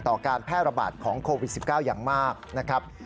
การแพร่ระบาดของโควิด๑๙อย่างมากนะครับ